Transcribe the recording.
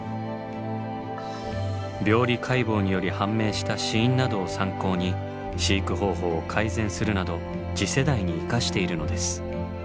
病理解剖により判明した死因などを参考に飼育方法を改善するなど次世代に生かしているのです。